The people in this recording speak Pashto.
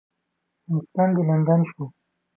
مسکن دې لندن شو.